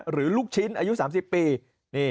หรือลูกชิ้นอายุ๓๐ปี